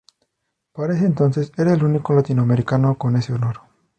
Para ese entonces era el único latinoamericano con ese honor.